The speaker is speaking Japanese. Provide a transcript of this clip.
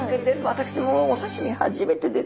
私もお刺身初めてです。